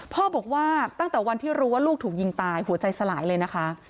พ่อบอกว่าตั้งแต่วันที่รู้ว่าลูกถูกยิงตายหัวใจสลายเลยนะคะ